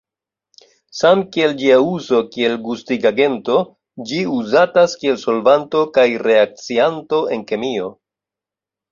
Samkiel ĝia uzo kiel gustigagento, ĝi uzatas kiel solvanto kaj reakcianto en kemio.